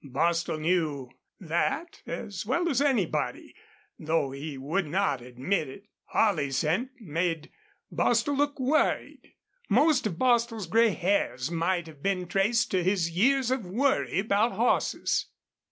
Bostil knew that as well as anybody, though he would not admit it. Holley's hint made Bostil look worried. Most of Bostil's gray hairs might have been traced to his years of worry about horses.